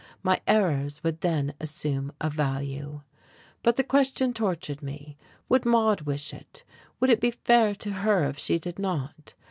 My errors would then assume a value. But the question tortured me: would Maude wish it? Would it be fair to her if she did not?